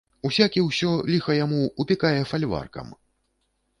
Усякі ўсё, ліха яму, упікае фальваркам.